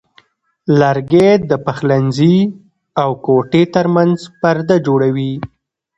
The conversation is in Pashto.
لرګی د پخلنځي او کوټې ترمنځ پرده جوړوي.